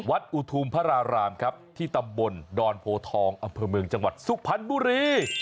อุทุมพระรารามครับที่ตำบลดอนโพทองอำเภอเมืองจังหวัดสุพรรณบุรี